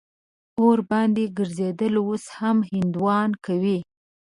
اور باندې ګرځېدل اوس هم هندوان کوي.